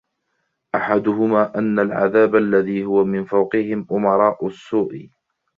أَحَدُهُمَا أَنَّ الْعَذَابَ الَّذِي هُوَ مِنْ فَوْقِهِمْ أُمَرَاءُ السُّوءِ